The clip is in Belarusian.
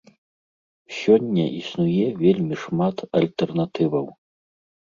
Сёння існуе вельмі шмат альтэрнатываў.